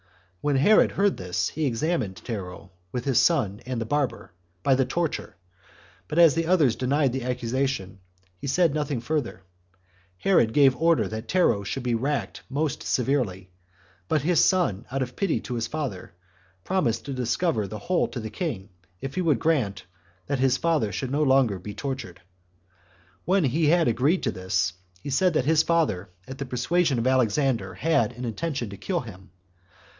When Herod heard this, he examined Tero, with his son and the barber, by the torture; but as the others denied the accusation, and he said nothing further, Herod gave order that Tero should be racked more severely; but his son, out of pity to his father, promised to discover the whole to the king, if he would grant [that his father should be no longer tortured]. When he had agreed to this, he said that his father, at the persuasion of Alexander, had an intention to kill him.